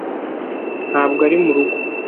ntabwo ari murugo,